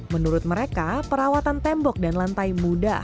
menurut mereka perawatan tembok dan lantai muda